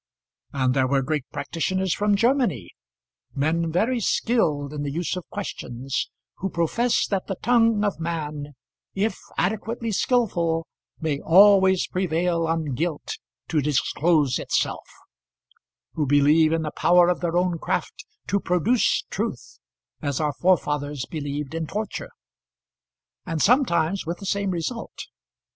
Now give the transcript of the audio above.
And there were great practitioners from Germany, men very skilled in the use of questions, who profess that the tongue of man, if adequately skilful, may always prevail on guilt to disclose itself; who believe in the power of their own craft to produce truth, as our forefathers believed in torture; and sometimes with the same result.